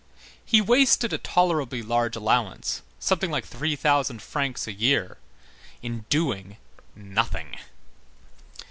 He wasted a tolerably large allowance, something like three thousand francs a year, in doing nothing.